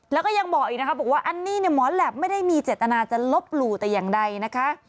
แล้วก็ยังบอกอีกนะคะบอกว่าอันนี้เนี่ยหมอแหลปไม่ได้มีเจตนาจะลบหลู่แต่อย่างใดนะคะ